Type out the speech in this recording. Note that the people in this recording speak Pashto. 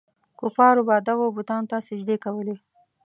کفارو به دغو بتانو ته سجدې کولې.